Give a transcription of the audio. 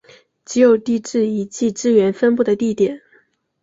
即有地质遗迹资源分布的地点。